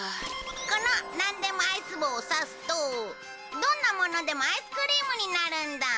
このなんでもアイス棒を刺すとどんなものでもアイスクリームになるんだ。